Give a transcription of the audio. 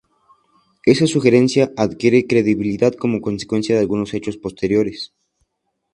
Esa sugerencia adquiere credibilidad como consecuencia de algunos hechos posteriores.